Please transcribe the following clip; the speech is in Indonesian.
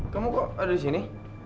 kamu kok ada disini